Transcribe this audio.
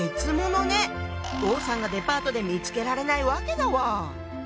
王さんがデパートで見つけられないわけだわ。